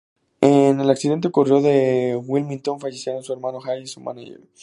En el accidente, ocurrido en Wilmington, fallecieron su hermano Jay y su "manager".